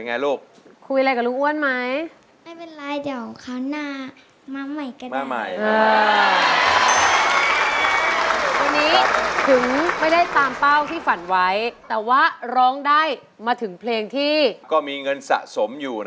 นะครับเป็นไงลูก